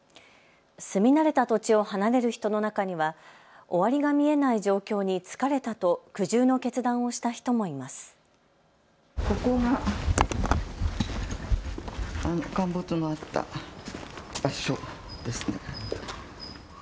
住み慣れた土地を離れる人の中には終わりが見えない状況に疲れたと苦渋の決断をした人もいます。